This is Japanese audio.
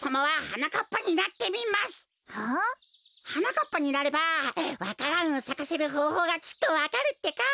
はなかっぱになればわか蘭をさかせるほうほうがきっとわかるってか。